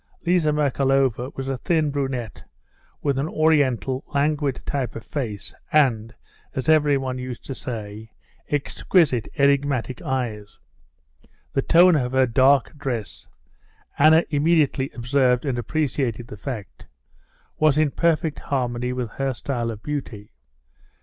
Liza Merkalova was a thin brunette, with an Oriental, languid type of face, and—as everyone used to say—exquisite enigmatic eyes. The tone of her dark dress (Anna immediately observed and appreciated the fact) was in perfect harmony with her style of beauty.